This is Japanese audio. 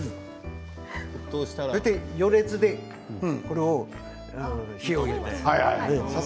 大体、余熱で、これを火を入れます。